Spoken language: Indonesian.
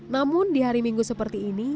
namun di hari minggu seperti ini